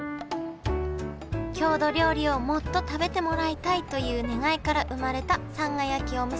郷土料理をもっと食べてもらいたいという願いから生まれたさんが焼きおむすび。